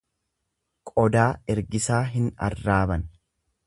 Qodaa ergisaa hin arraaban.